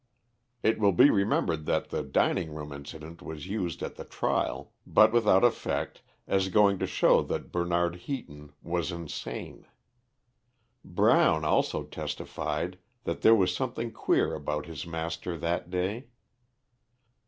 It will be remembered that the dining room incident was used at the trial, but without effect, as going to show that Bernard Heaton was insane. Brown also testified that there was something queer about his master that day.